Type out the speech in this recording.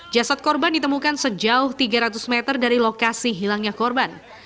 jasad korban ditemukan sejauh tiga ratus meter dari lokasi hilangnya korban